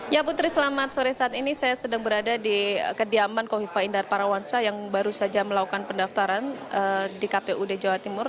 ya putri selamat sore saat ini saya sedang berada di kediaman kofifa indar parawansa yang baru saja melakukan pendaftaran di kpud jawa timur